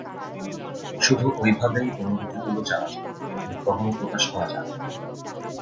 শুধু ঐভাবেই অনুভূতিগুলি জানা যায়, কিন্তু কখনও প্রকাশ করা যায় না।